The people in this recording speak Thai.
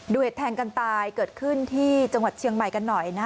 เหตุแทงกันตายเกิดขึ้นที่จังหวัดเชียงใหม่กันหน่อยนะ